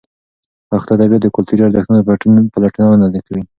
پښتو ادبیات د کلتوري ارزښتونو پلټونه کوي.